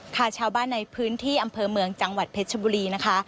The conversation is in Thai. ค่ะชาวบ้านในพื้นที่อำเภอเมืองจังหวัดเพชรชบุรีนะคะ